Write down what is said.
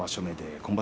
今場所